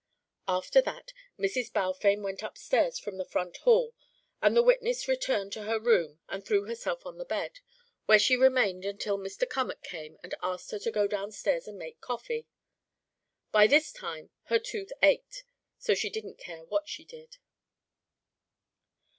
After that, Mrs. Balfame went upstairs from the front hall and the witness returned to her room and threw herself on the bed, where she remained until Mr. Cummack came and asked her to go downstairs and make coffee. By this time her tooth ached so she didn't care what she did.